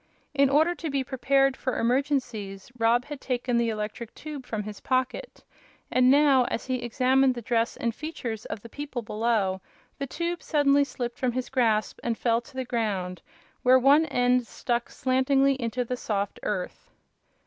In order to be prepared for emergencies Rob had taken the electric tube from his pocket, and now, as he examined the dress and features of the people below, the tube suddenly slipped from his grasp and fell to the ground, where one end stuck slantingly into the soft earth.